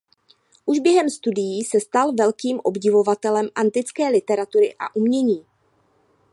Už během studií se stal velkým obdivovatelem antické literatury a umění.